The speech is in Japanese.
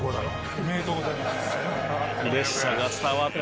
プレッシャーが伝わってくる。